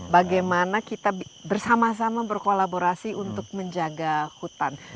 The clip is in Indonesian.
bagaimana kita bersama sama berkolaborasi untuk menjaga hutan